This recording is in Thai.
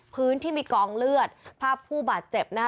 พื้นที่มีกองเลือดภาพผู้บาดเจ็บนะคะ